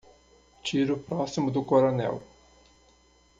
Tiro próximo do coronel.